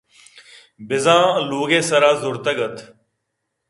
بہ زان لوگے سرا زُرتگ اَت